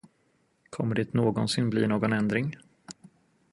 Kommer det någonsin bli någon ändring?